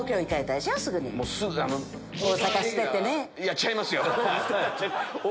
いやちゃいますよ！